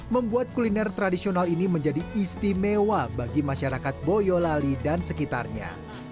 membuat kuliner tradisional ini menjadi istimewa bagi masyarakat boyolali dan sekitarnya